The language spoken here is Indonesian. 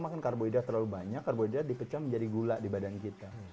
makin karbohidrat terlalu banyak karbohidrat dipecah menjadi gula di badan kita